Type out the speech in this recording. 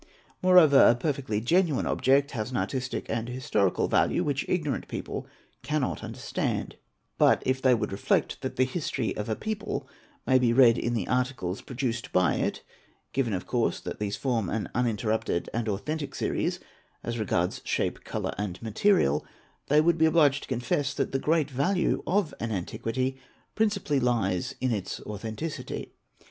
Moreover a perfectly genuine object has an » artistic and historical value which ignorant people cannot understand ;~ but if they would reflect that the history of a people may be read in the articles produced by it—given of course that these form an uninterrup ted and authentic series as regards shape, colour, and material—they would be obliged to confess that the great value of an antiquity principally lies in its authenticity.